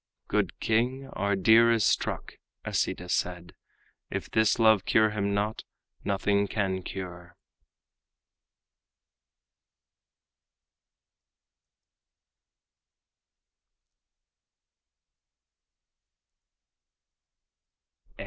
"Good king, our deer is struck," Asita said, "If this love cure him not, nothing can cure."